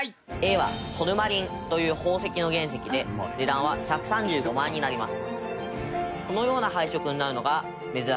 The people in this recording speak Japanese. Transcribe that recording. Ａはトルマリンという宝石の原石で値段は１３５万円になります。